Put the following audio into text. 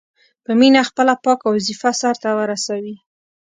په مینه خپله پاکه وظیفه سرته ورسوي.